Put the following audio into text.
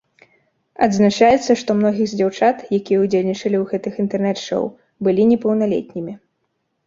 Адзначаецца, што многія з дзяўчат, якія ўдзельнічалі ў гэтых інтэрнэт-шоў, былі непаўналетнімі.